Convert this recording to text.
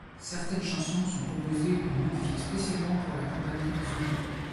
Certaines chansons sont composées ou modifiées spécialement pour la compagnie Zumba.